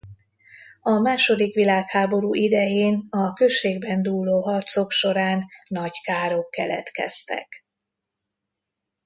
A második világháború idején a községben dúló harcok során nagy károk keletkeztek.